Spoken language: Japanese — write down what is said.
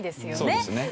そうですね。